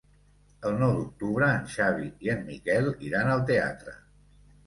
El nou d'octubre en Xavi i en Miquel iran al teatre.